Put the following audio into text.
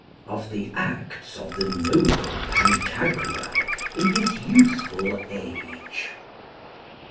Of the acts of the noble Pantagruel in his youthful age.